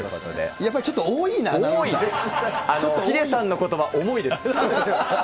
やっぱりちょっと多いな、ヒデさんのことば、重いです。